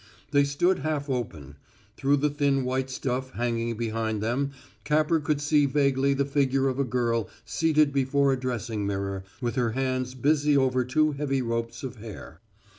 They stood half open; through the thin white stuff hanging behind them Capper could see vaguely the figure of a girl seated before a dressing mirror with her hands busy over two heavy ropes of hair.